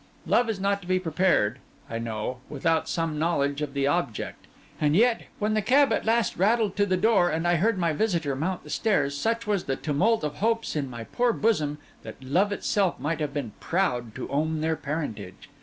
Love is not to be prepared, I know, without some knowledge of the object; and yet, when the cab at last rattled to the door and I heard my visitor mount the stairs, such was the tumult of hopes in my poor bosom that love itself might have been proud to own their parentage.